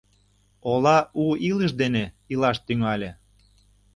Ола у илыш дене илаш тӱҥале.